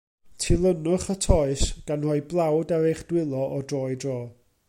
Tylinwch y toes, gan roi blawd ar eich dwylo o dro i dro.